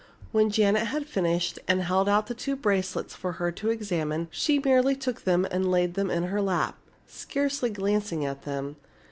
When Janet had finished and held out the two bracelets for her to examine, she merely took them and laid them in her lap, scarcely glancing at them.